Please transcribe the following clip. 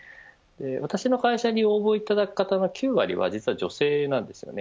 私の会社に応募いただく方の９割は実は女性なんですね。